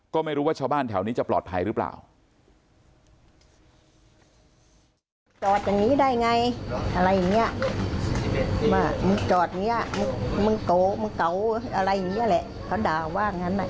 ก็ไม่รู้ว่าชาวบ้านแถวนี้จะปลอดภัยหรือเปล่า